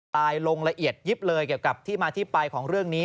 ตายลงละเอียดยิบเลยเกี่ยวกับที่มาที่ไปของเรื่องนี้